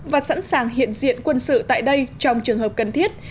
và sẵn sàng hiện diện quân sự tại đây trong trường hợp cần thiết